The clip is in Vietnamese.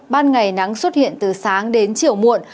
ban ngày nắng xuất hiện từ sáng đến chiều muộn